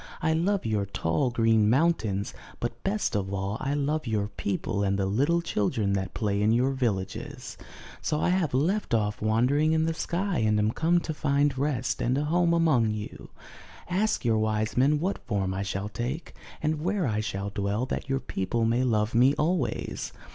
I love your tall, green mountains, but best of all, I love your people and the little children that play in your villages. So I have left off wandering in the sky, and am come to find rest and a home among you. Ask your wise men what form I shall take, and where I shall dwell, that your people may love me always."